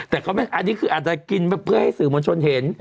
แต่อันนี้คืออาจจะกินเพื่อให้สื่อมวลชนเห็น